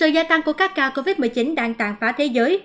gia tăng của các ca covid một mươi chín đang tàn phá thế giới